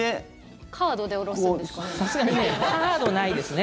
カードで下ろすんですかね？